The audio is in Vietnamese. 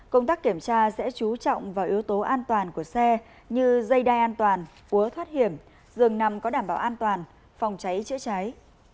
công tác kiểm tra sẽ chú trọng vào yếu tố an toàn của xe như dây đai an toàn phố thoát hiểm dường nằm có đảm bảo an toàn phòng cháy chữa cháy